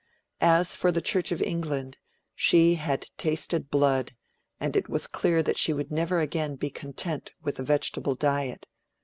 As for the Church of England, she had tasted blood, and it was clear that she would never again be content with a vegetable diet.